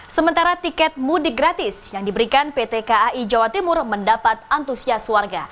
sementara tiket mudik gratis yang diberikan pt kai jawa timur mendapat antusias warga